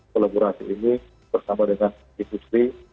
kolaborasi ini bersama dengan industri